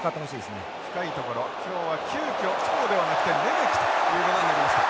近いところ今日は急きょトゥポウではなくてレメキということになりました。